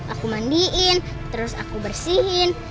aku mandiin terus aku bersihin